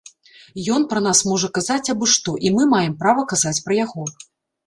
Ён пра нас можа казаць абы-што, і мы маем права казаць пра яго.